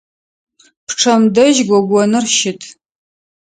Пчъэм дэжь гогоныр щыт.